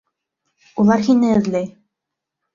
Улар һине эҙләй!